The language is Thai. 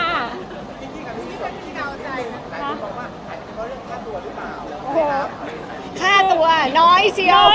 พี่กล้าวใจหลายคนบอกว่าถ่ายของเรื่องฆ่าตัวหรือเปล่า